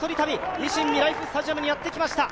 維新みらいふスタジアムにやってきました。